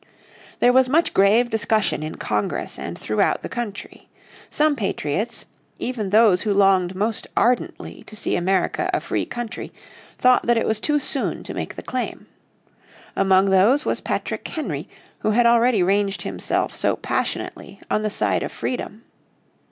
There was much grave discussion in Congress and throughout the country. Some patriots, even those who longed most ardently to see America a free country, thought that it was too soon to make the claim. Among those was Patrick Henry who had already ranged himself so passionately on the side of freedom."